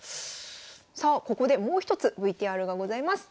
さあここでもう一つＶＴＲがございます。